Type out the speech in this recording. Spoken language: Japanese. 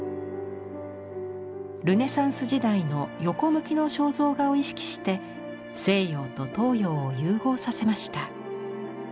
ルネサンス時代の横向きの肖像画を意識して西洋と東洋を融合させました。